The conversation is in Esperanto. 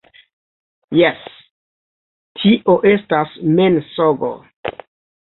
Jes, - Tio estas mensogo.